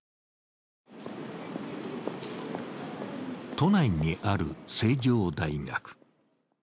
都内にある成城大学。